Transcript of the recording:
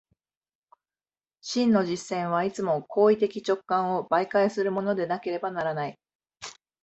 真の実践はいつも行為的直観を媒介するものでなければならない。